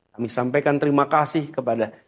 kami sampaikan terima kasih kepada